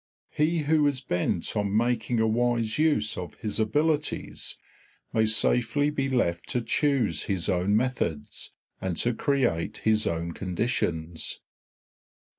He who is bent on making a wise use of his abilities may safely be left to choose his own methods and to create his own conditions.